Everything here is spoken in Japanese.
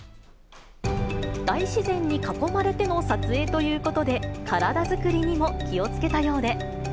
大自然に囲まれての撮影ということで、体作りにも気をつけたようで。